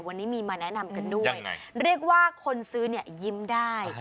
วันนี้มีมาแนะนำกันด้วยเรียกว่าคนซื้อเนี่ยยิ้มได้